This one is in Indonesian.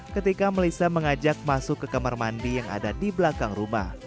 ketika melissa mengajak masuk ke kamar mandi yang ada di belakang rumah